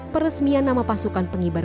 peresmian nama pasukan pengibar